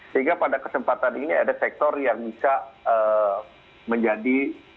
sehingga pada kesempatan ini ada sektor yang bisa menjadi